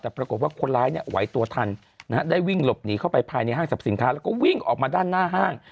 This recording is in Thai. แต่ปรากฏว่าคนร้ายเนี่ยไหวตัวทันได้วิ่งหลบหนีเข้าไปภายในห้างสรรพสินค้าแล้วก็วิ่งออกมาด้านหน้าห้าง